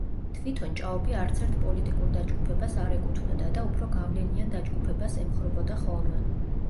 თვითონ „ჭაობი“ არცერთ პოლიტიკურ დაჯგუფებას არ ეკუთვნოდა და უფრო გავლენიან დაჯგუფებას ემხრობოდა ხოლმე.